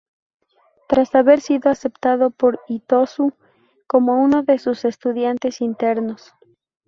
Tras haber sido aceptado por Itosu como uno de sus estudiantes internos.